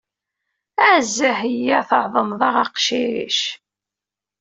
A Zahya tɛedmeḍ-aɣ aqcic.